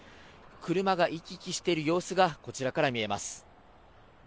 車が行き来している様子が、こちらから見えます。